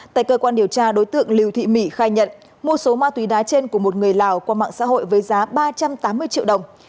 tại cơ quan điều tra đối tượng lưu thị mỹ khai nhận mua số ma túy đá trên của một người lào qua mạng xã hội với giá ba trăm tám mươi triệu đồng